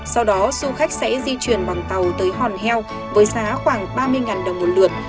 sau đó du khách sẽ di chuyển bằng tàu tới hòn heo với giá khoảng ba mươi đồng một lượt